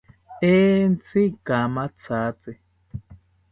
Entzi ikamathatzi